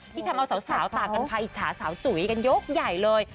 ทำเอาสาวต่างกันพาอิจฉาสาวจุ๋ยกันยกใหญ่เลย